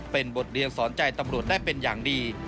เป็นบทเรียนสอนใจตำรวจได้เป็นอย่างดี